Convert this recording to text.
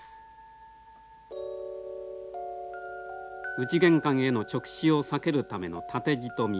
内玄関への直視を避けるための立蔀。